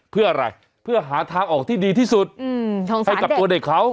เพื่ออะไรเพื่อหาทางออกที่ดีที่สุดให้กับตัวเด็กเขา